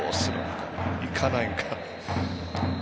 いかないか。